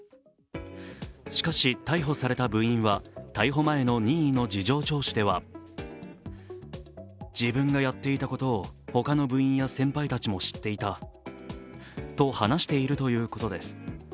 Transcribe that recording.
しかし、逮捕された部員は逮捕前の任意の事情聴取ではと話しているということです。